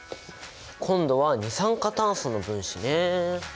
今度は二酸化炭素の分子ね。